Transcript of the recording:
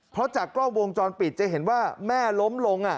เพราะจากกล้องวงจรปิดจะเห็นว่าแม่ล้มลง